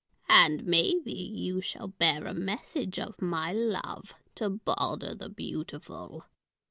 And maybe you shall bear a message of my love to Balder the beautiful."